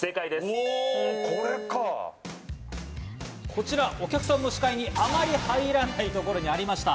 こちらお客さんの視界にあまり入らないところにありました。